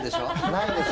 ないです。